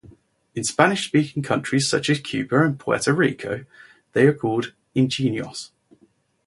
In Spanish-speaking countries such as Cuba and Puerto Rico, they are called ingenios.